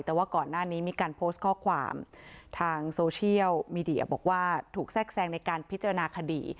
แต่ว่าก่อนหน้านี้มีการโพสต์ข้อความทางโซเชียลมีเดียบอกว่าถูกแทรกแซงในการพิจารณาคดี